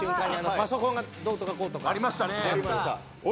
パソコンがどうとかこうとかありましたね